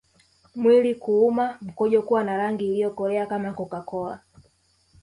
Mwili kuuma mkojo kuwa na rangi iliyokolea kama CocaCola